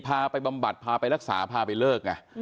พาไปรักษาพาไปเลิก